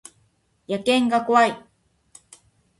野犬が怖い